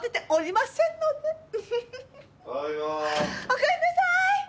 おかえりなさい。